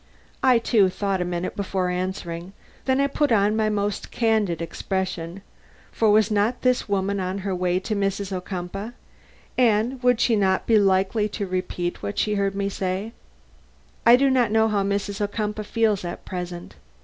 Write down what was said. I, too, thought a minute before answering, then I put on my most candid expression, for was not this woman on her way to Mrs. Ocumpaugh, and would she not be likely to repeat what she heard me say? "I do not know how Mrs. Ocumpaugh feels at present.